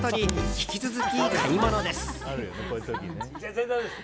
引き続き、買い物です。